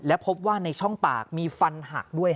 และพบว่าในช่องปากมีฟันหักด้วย